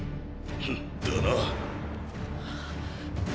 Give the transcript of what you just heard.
フッだな。